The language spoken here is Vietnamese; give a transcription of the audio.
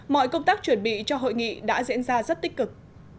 mọi công tác chuẩn bị cho hội nghị đã diễn ra rất tích cực